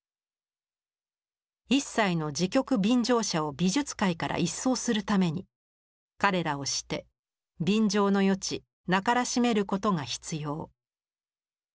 「一切の時局便乗者を美術界から一掃するために彼等をして便乗の余地なからしめることが必要」。